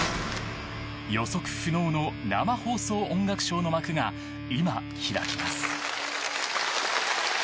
予測不能の生放送音楽ショーの幕が今、開きます。